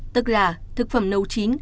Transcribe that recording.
tức là thực phẩm nấu chín